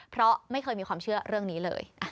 เพราะไม่เคยมีความเชื่อเรื่องนี้เลย